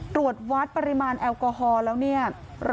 ตรวจวัดปริมาณแอลกอฮอล์แล้วเนี่ย